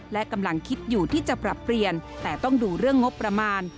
และกำลังคิดอยู่ที่จะปรับเปลี่ยนแต่ต้องดูเรื่องงบประมาณ